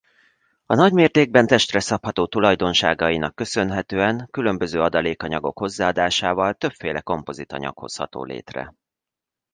A nagymértékben testre szabható tulajdonságainak köszönhetően különböző adalékanyagok hozzáadásával többféle kompozit anyag hozható létre.